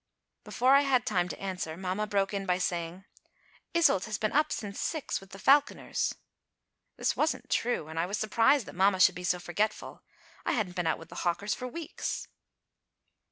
Before I had time to answer, mamma broke in by saying: "Iseult has been up since six with the falconers." This wasn't true and I was surprised that mamma should be so forgetful. I hadn't been out with the hawkers for weeks.